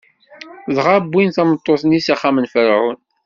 Dɣa wwin tameṭṭut-nni s axxam n Ferɛun.